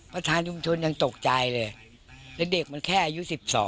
ประธานชุมชนยังตกใจเลยแล้วเด็กมันแค่อายุ๑๒